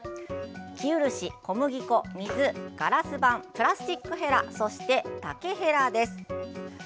生漆、小麦粉、水、ガラス板プラスチックヘラ、竹ヘラです。